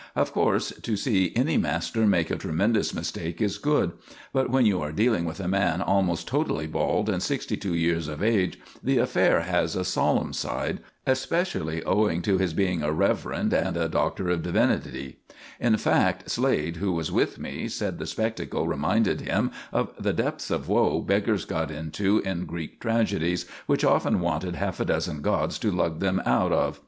Of course, to see any master make a tremendous mistake is good; but when you are dealing with a man almost totally bald and sixty two years of age the affair has a solemn side, especially owing to his being a Rev. and a D.D. In fact, Slade, who was with me, said the spectacle reminded him of the depths of woe beggars got into in Greek tragedies, which often wanted half a dozen gods to lug them out of.